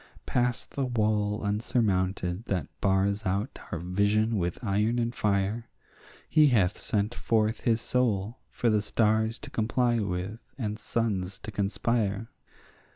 Past the wall unsurmounted that bars out our vision with iron and fire He hath sent forth his soul for the stars to comply with and suns to conspire.